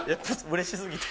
うれしすぎて。